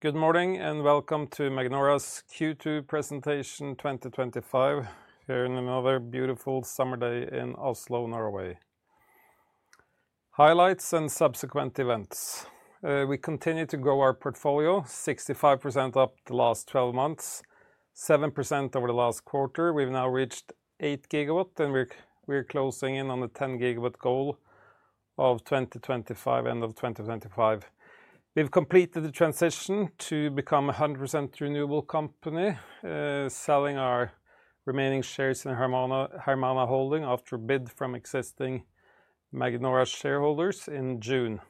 Good morning and welcome to Magnora's Q2 presentation 2025, here in another beautiful summer day in Oslo, Norway. Highlights and subsequent events. We continue to grow our portfolio, 65% up the last 12 months, 7% over the last quarter. We've now reached 8 gigawatt, and we're closing in on the 10 gigawatt goal of 2025, end of 2025. We've completed the transition to become a 100% renewable company, selling our remaining shares in Hermana Holding ASA after a bid from existing Magnora ASA shareholders in June.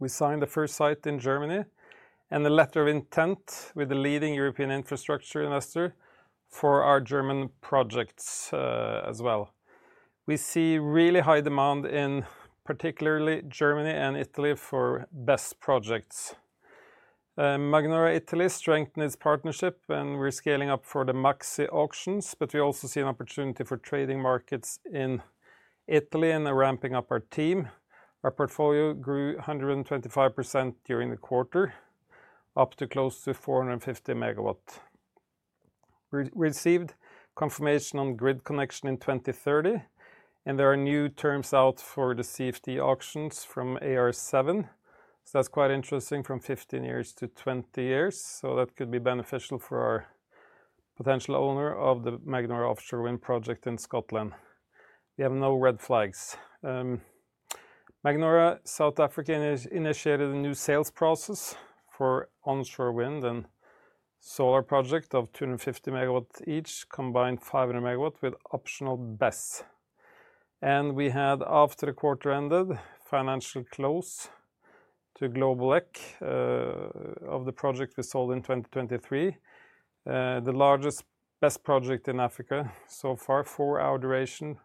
We signed the first site in Germany and a letter of intent with the leading European infrastructure investor for our German projects as well. We see really high demand in particularly Germany and Italy for BESS projects. Magnora Italy strengthened its partnership, and we're scaling up for the Maxi auctions, but we also see an opportunity for trading markets in Italy and ramping up our team. Our portfolio grew 125% during the quarter, up to close to 450 MW. We received confirmation on grid connection in 2030, and there are new terms out for the CFD auctions from AR7. That's quite interesting from 15 years to 20 years. That could be beneficial for our potential owner of the Magnora Offshore Wind project in Scotland. We have no red flags. Magnora South Africa initiated a new sales process for onshore wind and solar PV project of 250 MW each, combined 500 MW with optional BESS. After the quarter ended, financial close to Global Ec of the project we sold in 2023, the largest BESS project in Africa so far, four-hour duration,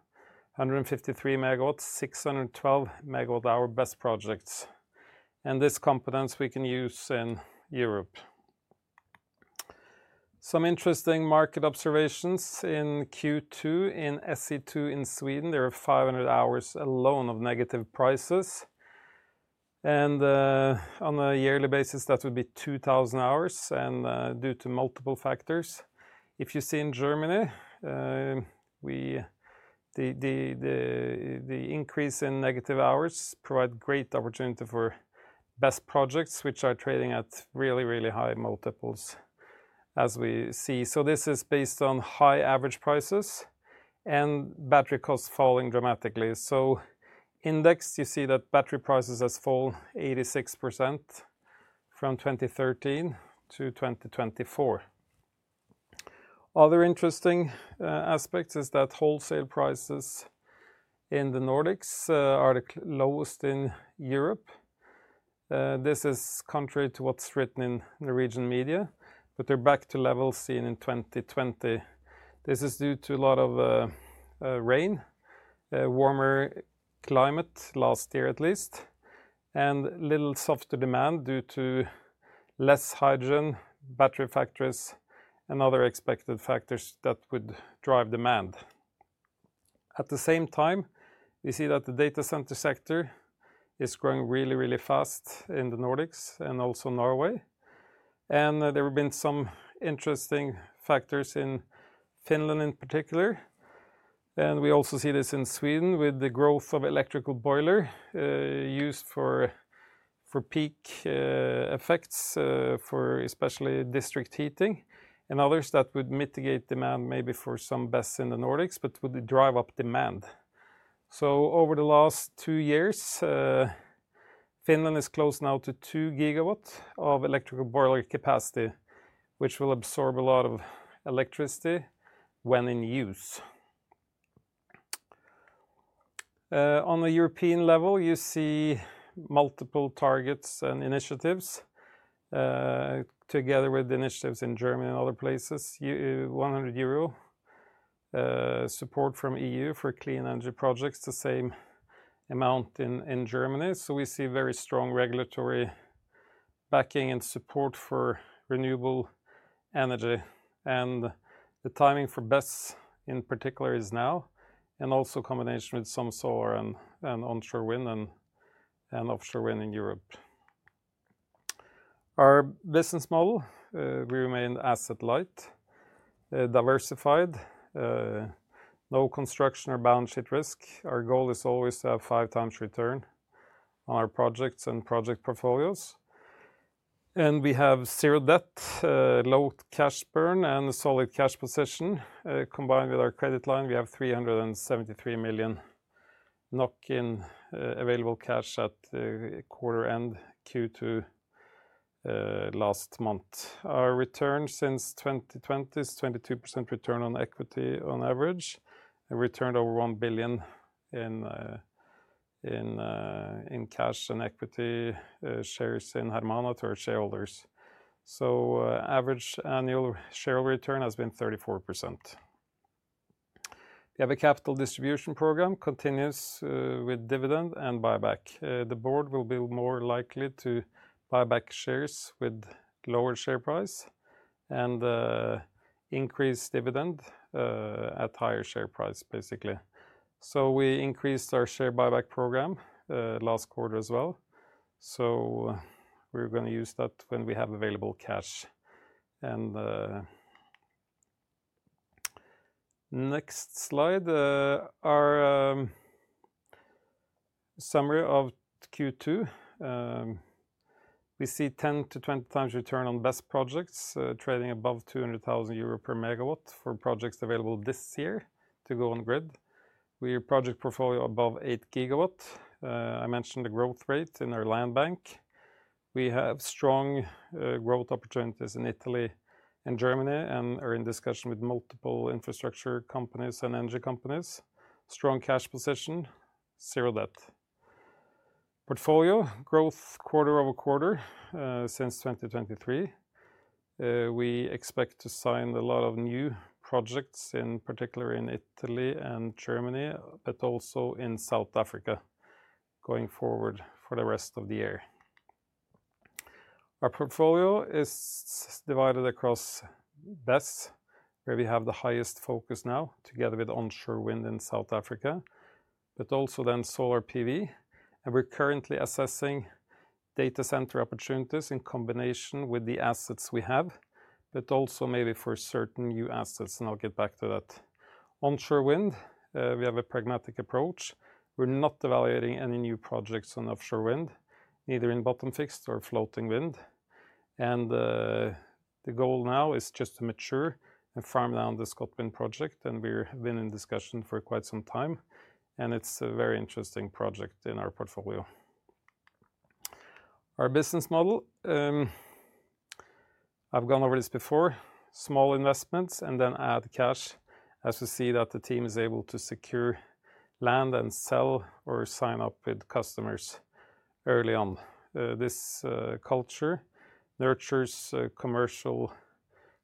153 MW, 612 MW hour BESS projects. This competence we can use in Europe. Some interesting market observations in Q2, in SE2 in Sweden, there are 500 hours alone of negative prices. On a yearly basis, that would be 2,000 hours. Due to multiple factors, if you see in Germany, the increase in negative hours provides great opportunity for BESS projects, which are trading at really, really high multiples as we see. This is based on high average prices and battery costs falling dramatically. Indexed, you see that battery prices have fallen 86% from 2013 to 2024. Other interesting aspects is that wholesale prices in the Nordics are the lowest in Europe. This is contrary to what's written in Norwegian media, but they're back to levels seen in 2020. This is due to a lot of rain, warmer climate last year at least, and little softer demand due to less hydrogen, battery factories, and other expected factors that would drive demand. At the same time, you see that the data center sector is growing really, really fast in the Nordics and also Norway. There have been some interesting factors in Finland in particular. We also see this in Sweden with the growth of electrical boiler used for peak effects for especially district heating and others that would mitigate demand maybe for some BESS in the Nordics, but would drive up demand. Over the last two years, Finland is close now to 2 gigawatt of electrical boiler capacity, which will absorb a lot of electricity when in use. On a European level, you see multiple targets and initiatives together with the initiatives in Germany and other places. €100 support from EU for clean energy projects, the same amount in Germany. We see very strong regulatory backing and support for renewable energy. The timing for BESS in particular is now, and also a combination with some solar PV and onshore wind and offshore wind in Europe. Our business model, we remain asset-light, diversified, no construction or balance sheet risk. Our goal is always to have five times return on our projects and project portfolios. We have zero debt, low cash burn, and a solid cash position. Combined with our credit line, we have 373 million NOK in available cash at quarter end Q2 last month. Our return since 2020 is 22% return on equity on average. We returned over 1 billion in cash and equity shares in Hermana Holding ASA to our shareholders. Average annual share return has been 34%. We have a capital distribution program continuous with dividend and buyback. The board will be more likely to buy back shares with lower share price and increase dividend at higher share price, basically. We increased our share buyback program last quarter as well. We are going to use that when we have available cash. Next slide, our summary of Q2. We see 10 to 20 times return on BESS projects trading above €200,000 per MW for projects available this year to go on grid. We are a project portfolio above 8 gigawatt. I mentioned the growth rate in our land bank. We have strong growth opportunities in Italy and Germany and are in discussion with multiple infrastructure companies and energy companies. Strong cash position, zero debt. Portfolio growth quarter over quarter since 2023. We expect to sign a lot of new projects, in particular in Italy and Germany, but also in South Africa going forward for the rest of the year. Our portfolio is divided across BESS, where we have the highest focus now together with onshore wind in South Africa, but also then solar PV. We're currently assessing data center opportunities in combination with the assets we have, but also maybe for certain new assets, and I'll get back to that. Onshore wind, we have a pragmatic approach. We're not evaluating any new projects on offshore wind, neither in bottom fixed or floating wind. The goal now is just to mature and farm down the Scotland project, and we've been in discussion for quite some time. It's a very interesting project in our portfolio. Our business model, I've gone over this before, small investments and then add cash as we see that the team is able to secure land and sell or sign up with customers early on. This culture nurtures commercial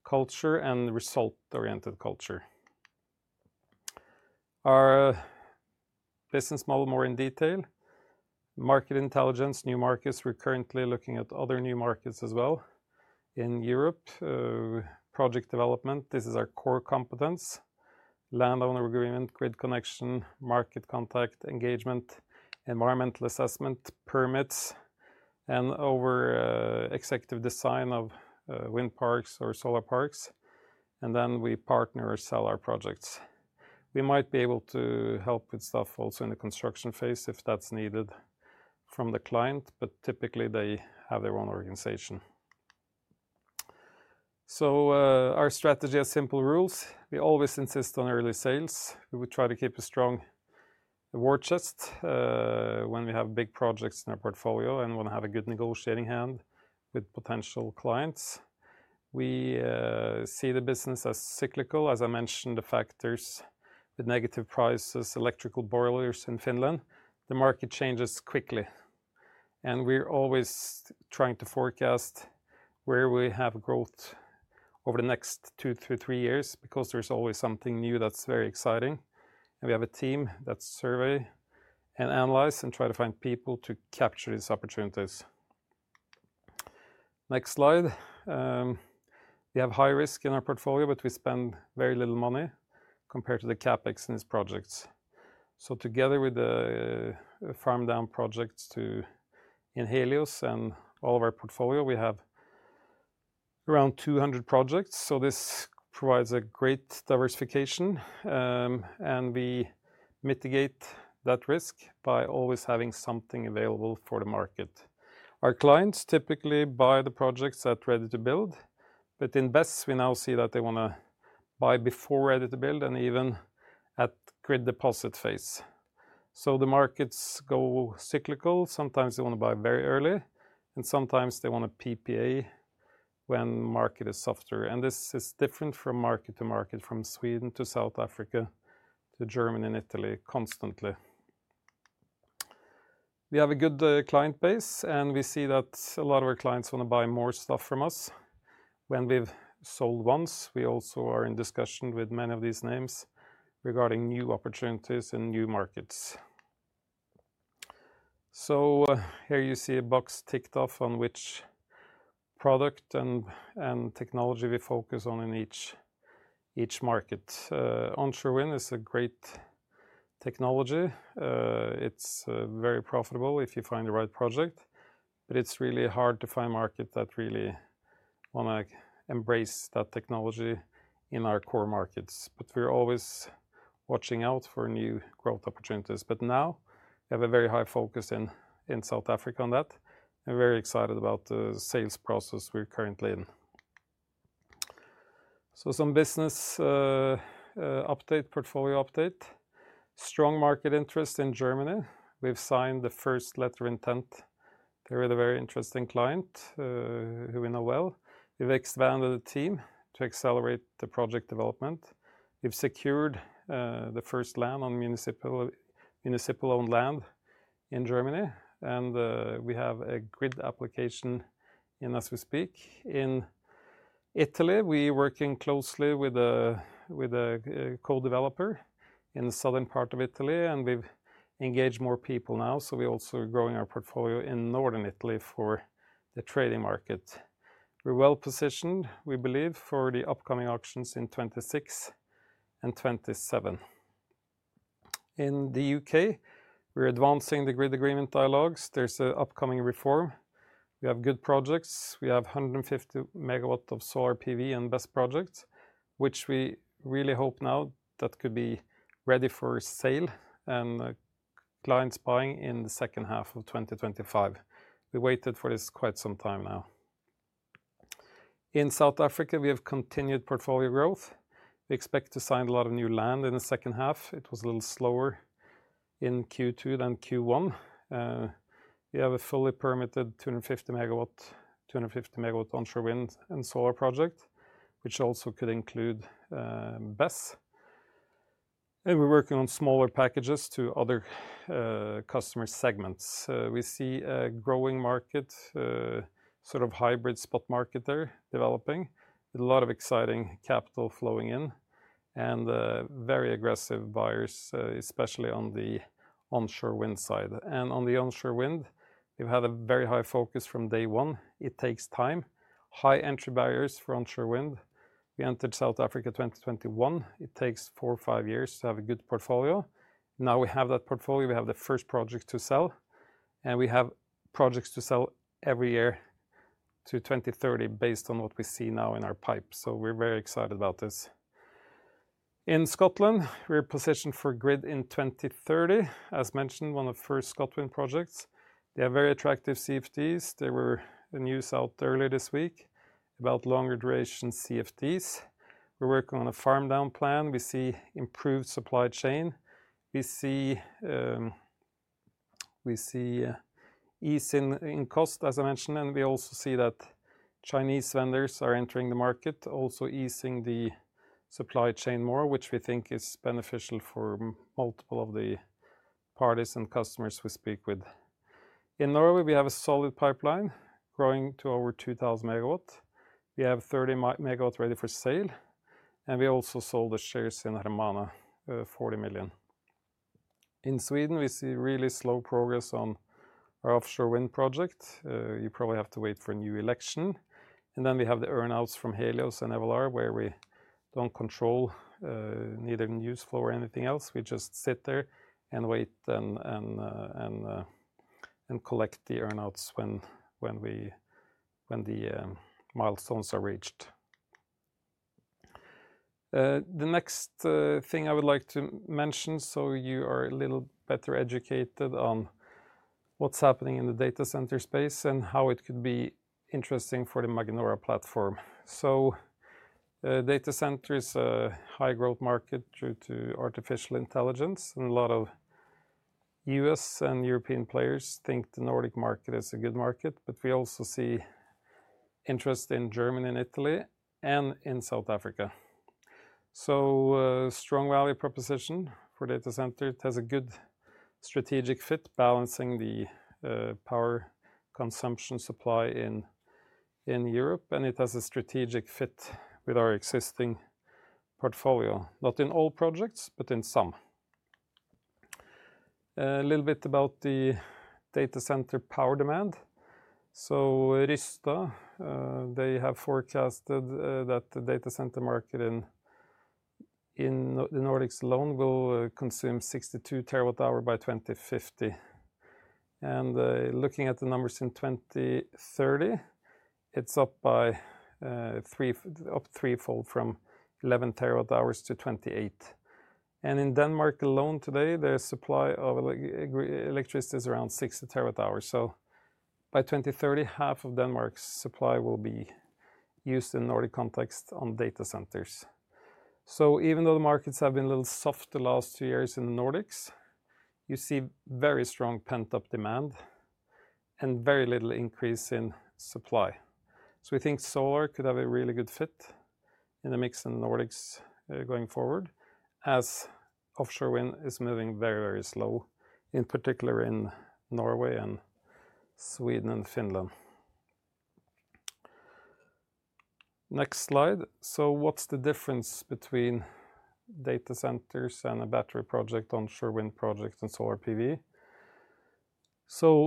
culture and result-oriented culture. Our business model more in detail, market intelligence, new markets. We're currently looking at other new markets as well. In Europe, project development, this is our core competence. Landowner agreement, grid connection, market contact, engagement, environmental assessment, permits, and over executive design of wind parks or solar parks. We partner or sell our projects. We might be able to help with stuff also in the construction phase if that's needed from the client, but typically they have their own organization. Our strategy has simple rules. We always insist on early sales. We would try to keep a strong award chest when we have big projects in our portfolio and want to have a good negotiating hand with potential clients. We see the business as cyclical. As I mentioned, the factors, the negative prices, electrical boilers in Finland, the market changes quickly. We're always trying to forecast where we have growth over the next two to three years because there's always something new that's very exciting. We have a team that surveys and analyzes and tries to find people to capture these opportunities. Next slide. We have high risk in our portfolio, but we spend very little money compared to the CapEx in these projects. Together with the farm down projects in Helios and all of our portfolio, we have around 200 projects. This provides a great diversification. We mitigate that risk by always having something available for the market. Our clients typically buy the projects that are ready to build, but in BESS, we now see that they want to buy before ready to build and even at grid deposit phase. The markets go cyclical. Sometimes they want to buy very early, and sometimes they want to PPA when the market is softer. This is different from market to market, from Sweden to South Africa to Germany and Italy constantly. We have a good client base, and we see that a lot of our clients want to buy more stuff from us. When we've sold once, we also are in discussion with many of these names regarding new opportunities in new markets. Here you see a box ticked off on which product and technology we focus on in each market. Onshore wind is a great technology. It's very profitable if you find the right project, but it's really hard to find a market that really wants to embrace that technology in our core markets. We're always watching out for new growth opportunities. We have a very high focus in South Africa on that. We're very excited about the sales process we're currently in. Some business update, portfolio update. Strong market interest in Germany. We've signed the first letter of intent here with a very interesting client who we know well. We've expanded the team to accelerate the project development. We've secured the first land on municipal-owned land in Germany, and we have a grid application in as we speak. In Italy, we're working closely with a co-developer in the southern part of Italy, and we've engaged more people now. We're also growing our portfolio in northern Italy for the trading market. We're well positioned, we believe, for the upcoming auctions in 2026 and 2027. In the UK, we're advancing the grid agreement dialogues. There's an upcoming reform. We have good projects. We have 150 MW of solar PV and BESS projects, which we really hope now that could be ready for sale and clients buying in the second half of 2025. We waited for this quite some time now. In South Africa, we have continued portfolio growth. We expect to sign a lot of new land in the second half. It was a little slower in Q2 than Q1. We have a fully permitted 250 MW onshore wind and solar project, which also could include BESS. We're working on smaller packages to other customer segments. We see a growing market, sort of hybrid spot market there developing with a lot of exciting capital flowing in and very aggressive buyers, especially on the onshore wind side. On the onshore wind, we've had a very high focus from day one. It takes time. High entry barriers for onshore wind. We entered South Africa in 2021. It takes four or five years to have a good portfolio. Now we have that portfolio. We have the first project to sell, and we have projects to sell every year to 2030 based on what we see now in our pipe. We're very excited about this. In Scotland, we're positioned for grid in 2030. As mentioned, one of the first Scotland projects. They have very attractive CFDs. There was news out earlier this week about longer duration CFDs. We're working on a farm-down plan. We see improved supply chain. We see ease in cost, as I mentioned. We also see that Chinese vendors are entering the market, also easing the supply chain more, which we think is beneficial for multiple of the parties and customers we speak with. In Norway, we have a solid pipeline growing to over 2,000 MW. We have 30 MW ready for sale. We also sold the shares in Hermana, $40 million. In Sweden, we see really slow progress on our offshore wind project. You probably have to wait for a new election. We have the earnouts from Helios and Evolar, where we don't control neither news flow or anything else. We just sit there and wait and collect the earnouts when the milestones are reached. The next thing I would like to mention, so you are a little better educated on what's happening in the data center space and how it could be interesting for the Magnora platform. Data center is a high growth market due to artificial intelligence. A lot of U.S. and European players think the Nordic market is a good market, but we also see interest in Germany and Italy and in South Africa. Strong value proposition for data center. It has a good strategic fit balancing the power consumption supply in Europe. It has a strategic fit with our existing portfolio, not in all projects, but in some. A little bit about the data center power demand. Rystad, they have forecasted that the data center market in the Nordics alone will consume 62 terawatt hour by 2050. Looking at the numbers in 2030, it's up threefold from 11 terawatt hours to 28. In Denmark alone today, their supply of electricity is around 60 terawatt hours. By 2030, half of Denmark's supply will be used in the Nordic context on data centers. Even though the markets have been a little soft the last two years in the Nordics, you see very strong pent-up demand and very little increase in supply. We think solar could have a really good fit in the mix in the Nordics going forward as offshore wind is moving very, very slow, in particular in Norway, Sweden, and Finland. Next slide. What's the difference between data centers and a battery project, onshore wind project, and solar PV?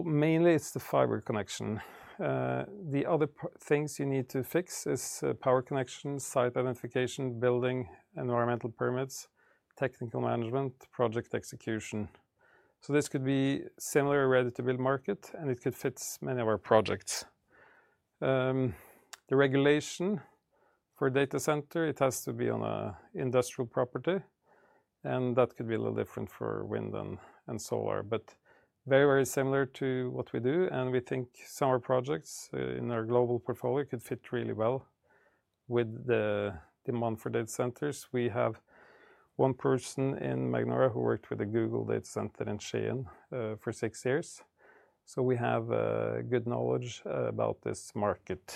Mainly, it's the fiber connection. The other things you need to fix are power connections, site identification, building, environmental permits, technical management, and project execution. This could be a similar ready-to-build market, and it could fit many of our projects. The regulation for data centers is that it has to be on an industrial property, and that could be a little different for wind and solar, but very, very similar to what we do. We think some of our projects in our global portfolio could fit really well with the demand for data centers. We have one person in Magnora who worked with a Google data center in Schien for six years, so we have good knowledge about this market.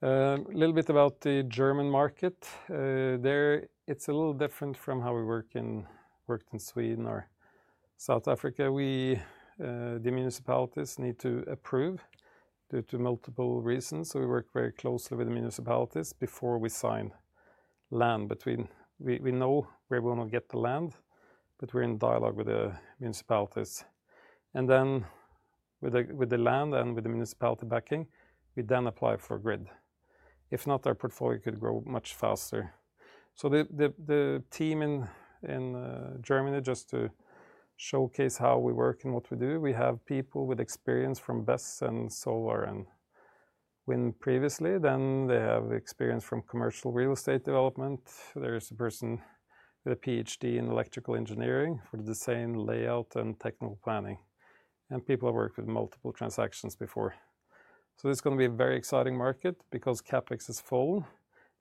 A little bit about the German market. There, it's a little different from how we worked in Sweden or South Africa. The municipalities need to approve due to multiple reasons. We work very closely with the municipalities before we sign land. We know where we want to get the land, but we're in dialogue with the municipalities. With the land and with the municipality backing, we then apply for grid. If not, our portfolio could grow much faster. The team in Germany, just to showcase how we work and what we do, we have people with experience from BESS and solar and wind previously. They have experience from commercial real estate development. There is a person with a PhD in electrical engineering for the design layout and technical planning. People have worked with multiple transactions before. This is going to be a very exciting market because CapEx is full.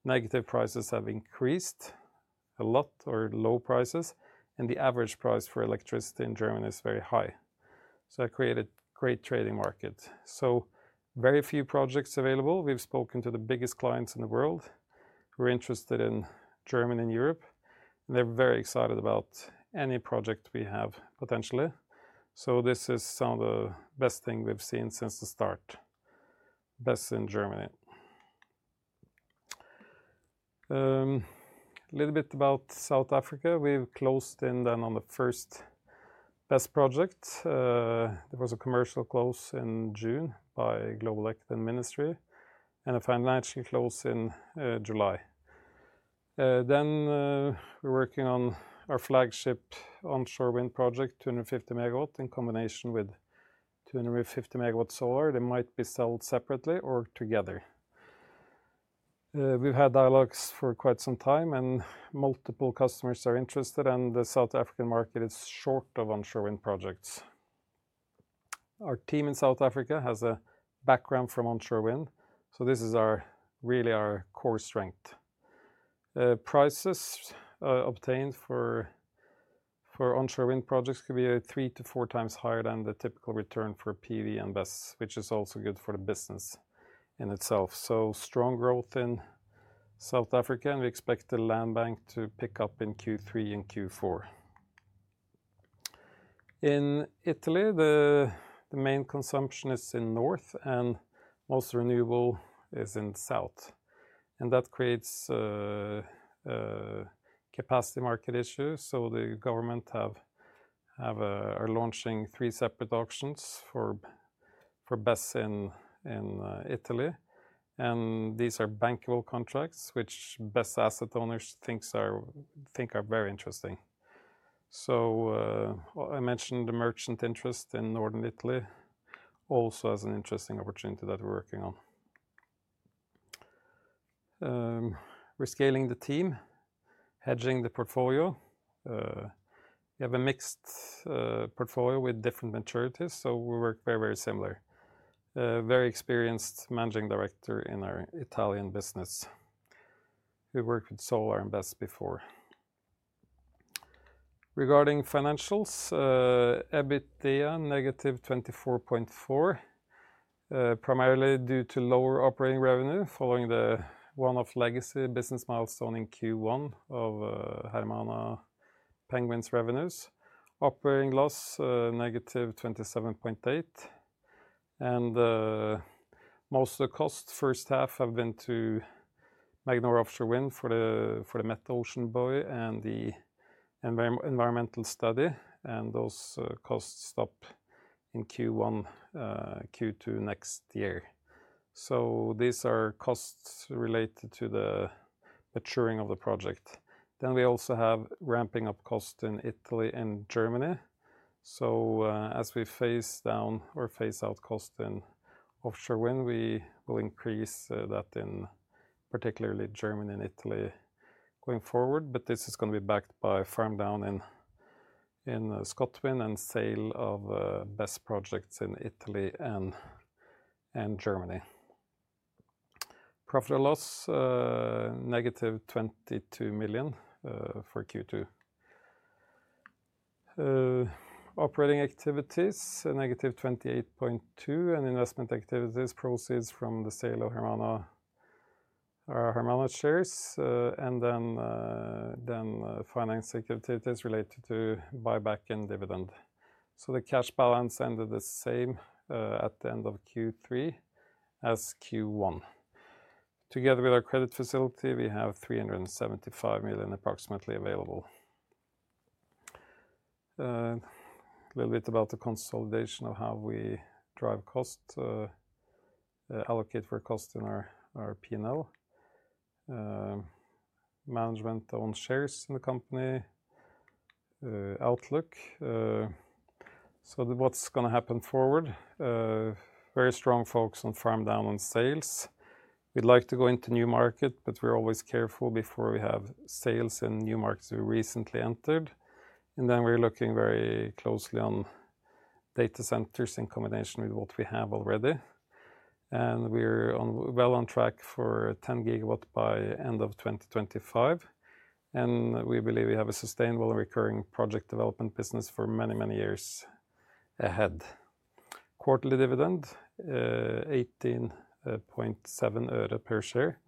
Negative prices have increased a lot or low prices, and the average price for electricity in Germany is very high. That created a great trading market. Very few projects are available. We've spoken to the biggest clients in the world. We're interested in Germany and Europe, and they're very excited about any project we have potentially. This is some of the best things we've seen since the start, BESS in Germany. A little bit about South Africa. We've closed in then on the first BESS project. There was a commercial close in June by Global Ec then Ministry, and a financial close in July. We're working on our flagship onshore wind project, 250 MW in combination with 250 MW solar. They might be sold separately or together. We've had dialogues for quite some time, and multiple customers are interested, and the South African market is short of onshore wind projects. Our team in South Africa has a background from onshore wind. This is really our core strength. Prices obtained for onshore wind projects could be three to four times higher than the typical return for PV and BESS, which is also good for the business in itself. Strong growth in South Africa, and we expect the land bank to pick up in Q3 and Q4. In Italy, the main consumption is in the north, and most renewable is in the south. That creates capacity market issues. The government is launching three separate auctions for BESS in Italy. These are bankable contracts, which BESS asset owners think are very interesting. I mentioned the merchant interest in northern Italy also as an interesting opportunity that we're working on. We're scaling the team, hedging the portfolio. We have a mixed portfolio with different maturities, so we work very, very similar. A very experienced Managing Director in our Italian business who worked with solar and BESS before. Regarding financials, EBITDA negative 24.4 million, primarily due to lower operating revenue following the one-off legacy business milestone in Q1 of Hermana Penguins revenues. Operating loss negative 27.8 million. Most of the cost first half have been to Magnora Offshore Wind for the MetOcean body and the environmental study. Those costs stop in Q1, Q2 next year. These are costs related to the maturing of the project. We also have ramping up costs in Italy and Germany. As we phase down or phase out costs in offshore wind, we will increase that in particularly Germany and Italy going forward. This is going to be backed by farm down in Scotland and sale of BESS projects in Italy and Germany. Profit or loss negative 22 million for Q2. Operating activities are negative 28.2 million, and investment activities proceed from the sale of Hermana shares. Finance activities related to buyback and dividend. The cash balance ended the same at the end of Q3 as Q1. Together with our credit facility, we have 375 million approximately available. A little bit about the consolidation of how we drive cost, allocate for cost in our P&L, management-owned shares in the company, outlook. What's going to happen forward? Very strong focus on farm-downs and sales. We'd like to go into a new market, but we're always careful before we have sales in new markets we recently entered. We're looking very closely on data centers in combination with what we have already. We're well on track for 10 gigawatt by the end of 2025, and we believe we have a sustainable and recurring project development business for many, many years ahead. Quarterly dividend €0.187 per share,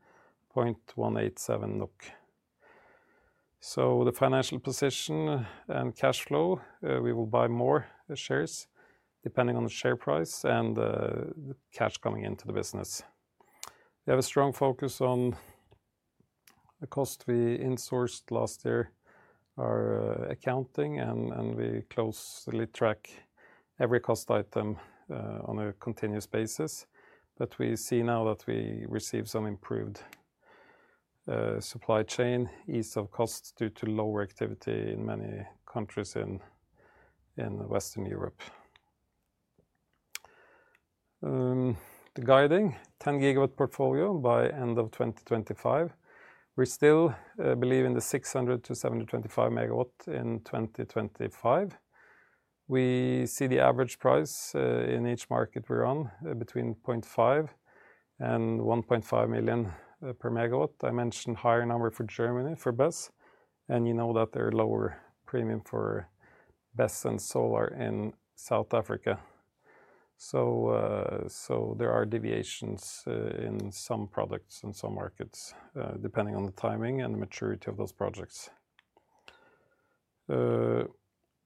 0.187 NOK. The financial position and cash flow, we will buy more shares depending on the share price and the cash coming into the business. We have a strong focus on the cost. We insourced last year our accounting, and we closely track every cost item on a continuous basis. We see now that we receive some improved supply chain ease of costs due to lower activity in many countries in Western Europe. The guiding, 10 gigawatt portfolio by the end of 2025. We still believe in the 600-725 MW in 2025. We see the average price in each market we run between €0.5 million and €1.5 million per MW. I mentioned a higher number for Germany for BESS. There are lower premiums for BESS and solar PV in South Africa. There are deviations in some products and some markets depending on the timing and the maturity of those projects.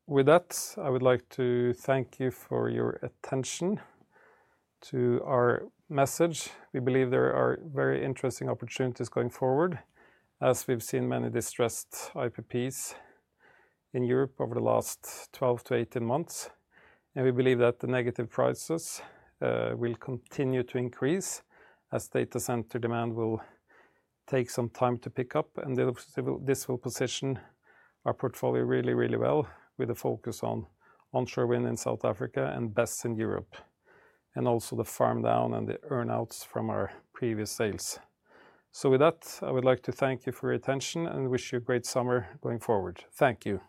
With that, I would like to thank you for your attention to our message. We believe there are very interesting opportunities going forward as we've seen many distressed IPPs in Europe over the last 12-18 months. We believe that the negative prices will continue to increase as data center demand will take some time to pick up. This will position our portfolio really, really well with a focus on onshore wind in South Africa and BESS in Europe, and also the farm-down and the earnouts from our previous sales. With that, I would like to thank you for your attention and wish you a great summer going forward. Thank you.